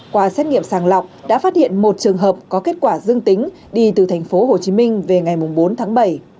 qua xét nghiệm sàng lọc đã phát hiện một trường hợp có kết quả dương tính đi từ tp hồ chí minh về ngày bốn tháng bảy